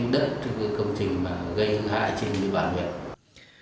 đất trong công trình mà gây hư hỏng các đoạn đường